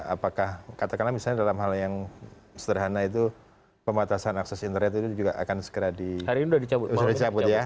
apakah katakanlah misalnya dalam hal yang sederhana itu pembatasan akses internet itu juga akan segera dicabut ya